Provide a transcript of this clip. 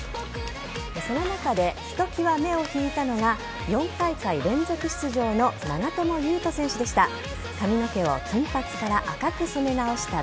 その中で一際目を引いたのが４大会連続出場の長友佑都選手でした。